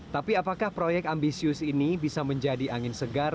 tapi apakah proyek ambisius ini bisa menjadi angin segar